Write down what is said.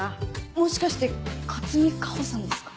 もしかして勝見夏穂さんですか？